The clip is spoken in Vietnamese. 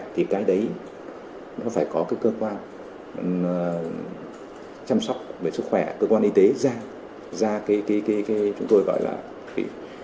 thì cái đấy nó phải có cơ quan chăm sóc về sức khỏe cơ quan y tế ra ra cái chúng tôi gọi là chứng nhận cấp phép